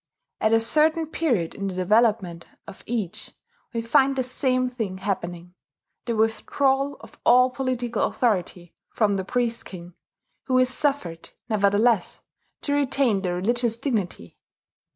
At a certain period in the development of each we find the same thing happening, the withdrawal of all political authority from the Priest King, who is suffered, nevertheless, to retain the religious dignity.